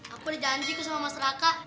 aku udah janji ke sama mas raka